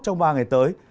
trong ba ngày tới